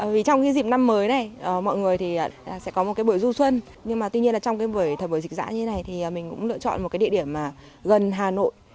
vì trong cái dịp năm mới này mọi người thì sẽ có một cái buổi du xuân nhưng mà tuy nhiên là trong cái buổi thời buổi dịch giã như này thì mình cũng lựa chọn một cái địa điểm mà gần hà nội